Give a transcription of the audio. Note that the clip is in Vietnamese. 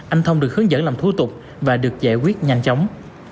anh thông được hướng dẫn làm thủ tục và được giải quyết nhanh chóng